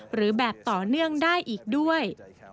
หรือแบบต่อเนื่องได้อีกด้วย